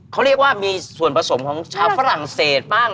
เขาเรียกว่ามีส่วนผสมของชาวฝรั่งเศสบ้าง